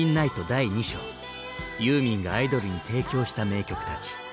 第２章ユーミンがアイドルに提供した名曲たち。